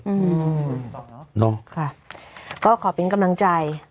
อืมค่ะก็ขอเพียงกำลังใจ